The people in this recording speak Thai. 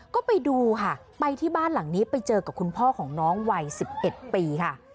ก็ไปดูค่ะไปที่บ้านหลังนี้ไปเจอกับคุณพ่อของน้องวัย๑๑ปีค่ะ